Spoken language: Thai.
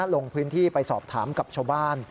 ลงพื้นที่ไปสอบถามกับชาวบ้าน